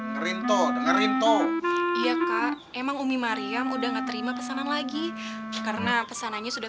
ngerinto dengerin tau iya kak emang umi mariam udah gak terima pesanan lagi karena pesanannya sudah